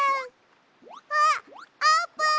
あっあーぷん！